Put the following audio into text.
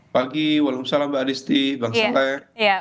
pagi waalaikumsalam mbak adisti bang saleh